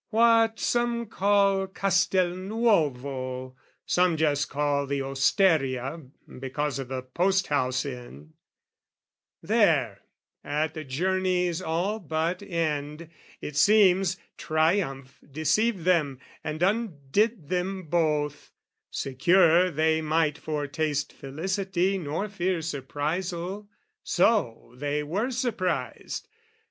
What some call Castelnuovo, some just call The Osteria, because o' the post house inn, There, at the journey's all but end, it seems, Triumph deceived them and undid them both, Secure they might foretaste felicity Nor fear surprisal: so, they were surprised.